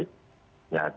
menurut saya itu